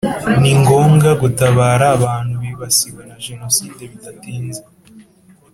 ni ngombwa gutabara abantu bibasiwe na jenoside bidatinze.